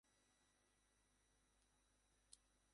তিনি ইরাকী বংশধর ছিলেন।